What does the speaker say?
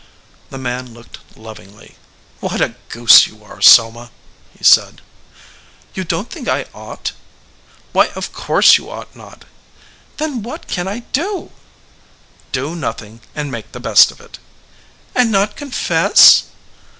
The man looked lovingly. "What a goose you are, Selma !" he said. "You don t think I ought?" "Why, of course you ought not." "Then what can I do?" "Do nothing, and make the best of it." "And not confess?"